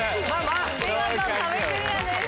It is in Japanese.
見事壁クリアです。